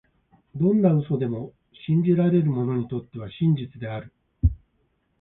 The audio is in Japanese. どんな嘘でも、信じられる者にとっては真実である。